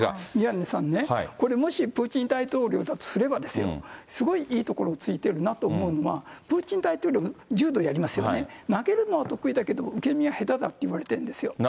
宮根さんね、これもしプーチン大統領だとすればですよ、すごいいいところを突いてるなと思うのは、プーチン大統領、柔道やりますよね、投げるのは得意だけど、受け身は下手だっていわれてるんですよ。